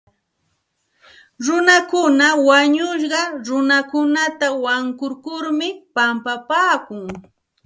Runakuna wañushqa runakunata wankurkurmi pampapaakun.